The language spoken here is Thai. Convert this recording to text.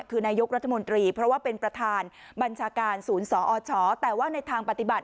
คือนายกรัฐมนตรีเพราะว่าเป็นประธานบัญชาการศูนย์สอชแต่ว่าในทางปฏิบัติ